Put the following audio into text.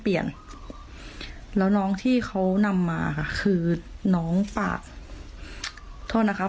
เปลี่ยนแล้วน้องที่เขานำมาค่ะคือน้องฝากโทษนะคะ